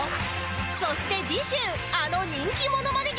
そして次週あの人気モノマネ